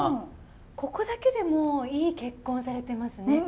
ここだけでもういい結婚されてますね。